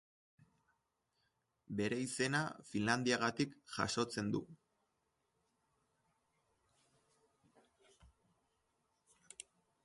Bere izena Finlandiagatik jasotzen du.